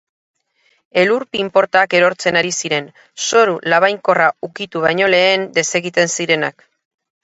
Elur pinportak erortzen hasi ziren, zoru labainkorra ukitu baino lehen desegiten zirenak.